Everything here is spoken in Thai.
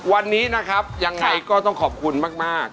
วันนี้นะครับยังไงก็ต้องขอบคุณมาก